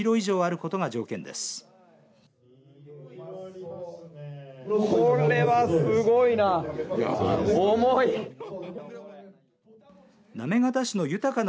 これはすごいな。